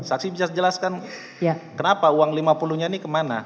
saksi bisa jelaskan kenapa uang lima puluh nya ini kemana